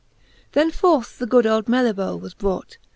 XL Then forth the good old Melibce was brought.